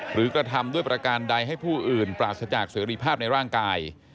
กระทำด้วยประการใดให้ผู้อื่นปราศจากเสรีภาพในร่างกาย